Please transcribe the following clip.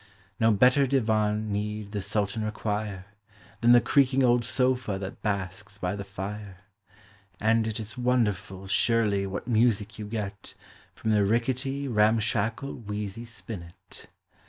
No better divan need the Sultan require, Than the creaking old sofa that basks by the fire; And 't is wonderful, surely, what music you get From the rickety, ramshackle, wheezy spinet.